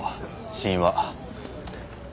死因は。